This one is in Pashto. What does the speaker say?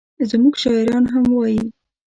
زموږ شاعران هم وایي.